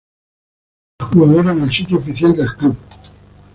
Ficha del jugador en el Sitio Oficial del club